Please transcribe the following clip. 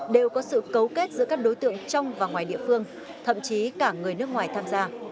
đều có sự cấu kết giữa các đối tượng trong và ngoài địa phương thậm chí cả người nước ngoài tham gia